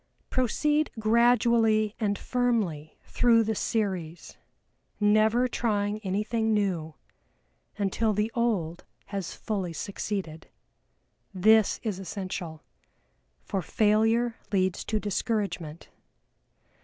Proceed gradually and firmly through the series, never trying anything new, until the old has fully succeeded. This is essential, for failure leads to discouragement.